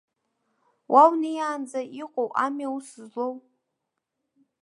Уа унеиаанӡа иҟоу ами аус злоу.